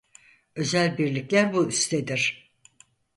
Özel birlikler bu üstedir: